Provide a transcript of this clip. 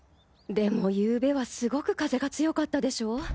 でもゆうべはすごく風が強かったでしょう？